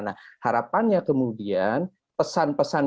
nah harapannya kemudian pesan pesan